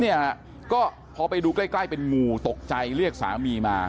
เนี่ยก็พอไปดูใกล้เป็นงูตกใจเรียกสามีมา